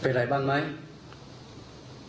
เป็นอะไรบ้างไหมกลับนะ